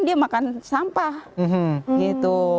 dia makan sampah gitu